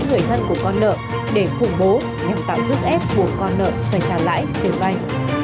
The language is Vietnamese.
đến người thân của con nợ để phủng bố nhằm tạo giúp ép buộc con nợ phải trả lãi về vay